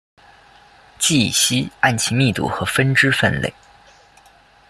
聚乙烯按其密度和分支分类。